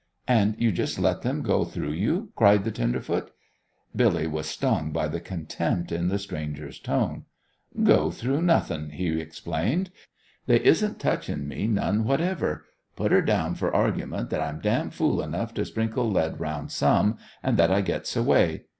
"And you just let them go through you?" cried the tenderfoot. Billy was stung by the contempt in the stranger's tone. "Go through nothin'," he explained. "They isn't touchin' me none whatever. Put her down fer argument that I'm damn fool enough to sprinkle lead 'round some, and that I gets away.